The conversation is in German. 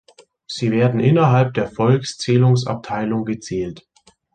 Sie werden innerhalb der Volkszählungsabteilung gezählt.